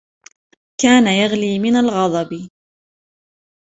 كان يغلي من الغضب